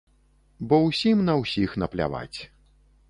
Бо усім на ўсіх напляваць.